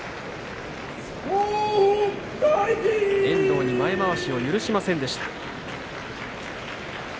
遠藤に前まわしを許しませんでした。